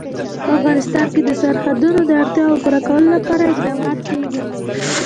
په افغانستان کې د سرحدونه د اړتیاوو پوره کولو لپاره اقدامات کېږي.